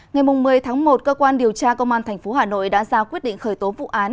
ngày một mươi tháng một cơ quan điều tra công an tp hà nội đã ra quyết định khởi tố vụ án